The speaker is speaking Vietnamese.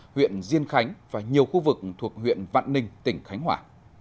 huyện diên khánh và nhiều khu vực thuộc huyện vạn ninh tỉnh khánh hòa